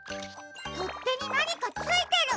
とってになにかついてる。